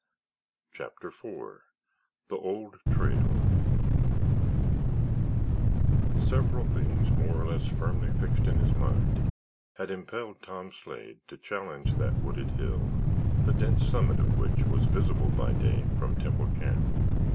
CHAPTER IV THE OLD TRAIL Several things more or less firmly fixed in his mind had impelled Tom Slade to challenge that wooded hill the dense summit of which was visible by day from Temple Camp.